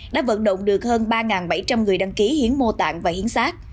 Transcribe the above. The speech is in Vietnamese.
đã vận động được hơn ba bảy trăm linh người đăng ký hiến mô tạng và hiến sát